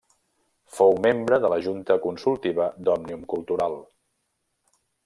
Fou membre de la Junta Consultiva d'Òmnium Cultural.